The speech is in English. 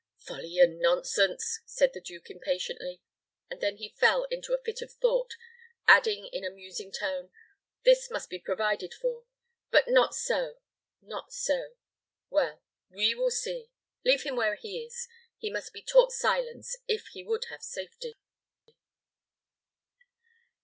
"Folly and nonsense!" said the duke, impatiently; and then he fell into a fit of thought, adding, in a musing tone, "This must be provided for. But not so not so. Well, we will see. Leave him where he is. He must be taught silence, if he would have safety."